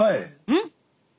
うん？